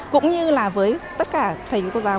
cũng như là với tất cả thầy cô giáo